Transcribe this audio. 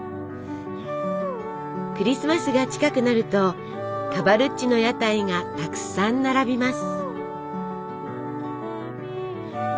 クリスマスが近くなるとカバルッチの屋台がたくさん並びます。